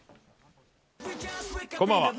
こんばんは。